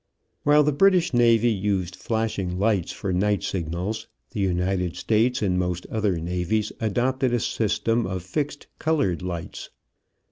While the British navy used flashing lights for night signals, the United States and most other navies adopted a system of fixed colored lights.